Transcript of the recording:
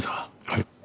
はい。